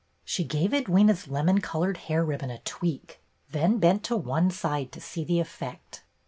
She gave Edwyna's lemon colored hair ribbon a tweak, then bent to one side to see the effect.